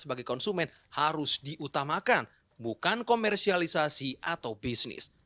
sebagai konsumen harus diutamakan bukan komersialisasi atau bisnis